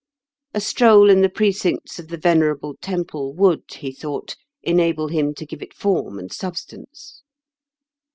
A stroll in the precincts of the venerable temple would, he thought, enable him to give it form and substance.